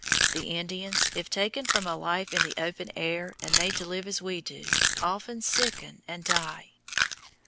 The Indians, if taken from a life in the open air and made to live as we do, often sicken and die.